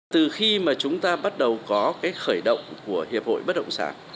từ khi mà chúng ta bắt đầu có cái khởi động của hiệp hội bất động sản